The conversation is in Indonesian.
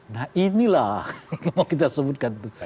nah inilah yang mau kita sebutkan